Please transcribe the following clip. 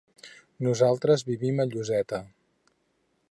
Nosaltres vivim a Lloseta.